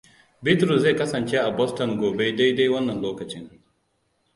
Bitrus zai kasance a Boston gobe dai-dai wannan lokacin.